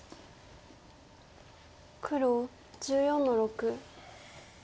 黒１４の六。